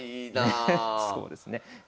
そうですね。